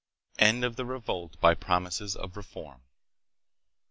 End of the Revolt by Promises of Reform.